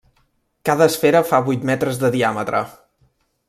Cada esfera fa vuit metres de diàmetre.